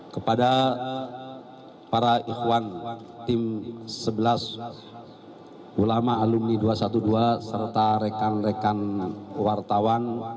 kepada para ikhwan tim sebelas ulama alumni dua ratus dua belas serta rekan rekan wartawan